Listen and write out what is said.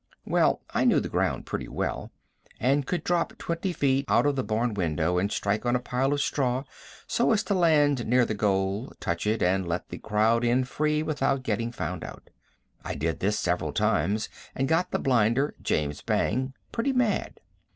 Well, I knew the ground pretty well, and could drop twenty feet out of the barn window and strike on a pile of straw so as to land near the goal, touch it, and let the crowd in free without getting found out. I did this several times and got the blinder, James Bang, pretty mad.